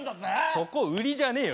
そこ売りじゃねえよ。